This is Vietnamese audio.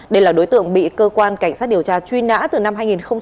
đây là đối tượng bị cơ quan cảnh sát điều tra truy nã từ năm hai nghìn một mươi ba